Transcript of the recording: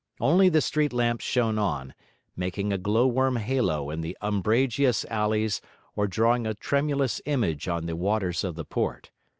Only the street lamps shone on, making a glow worm halo in the umbrageous alleys or drawing a tremulous image on the waters of the port.